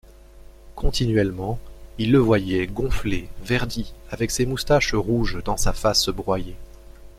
Continuellement, il le voyait, gonflé, verdi, avec ses moustaches rouges, dans sa face broyée.